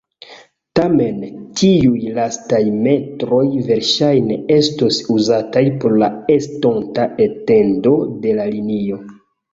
Tamen tiuj lastaj metroj verŝajne estos uzataj por la estonta etendo de la linio.